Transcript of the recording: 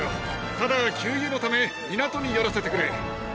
ただ、給油のため、港に寄らせてくれ。